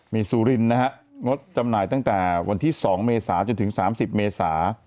มีสุรินนะฮะงดจำหน่ายตั้งแต่วันที่๒เมษาจนถึง๓๐เมษา